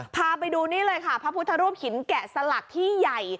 พาไปดูนี่เลยค่ะพระพุทธรูปหินแกะสลักที่ใหญ่